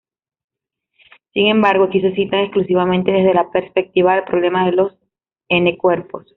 Sin embargo, aquí se citan exclusivamente desde la perspectiva del "problema de los n-cuerpos".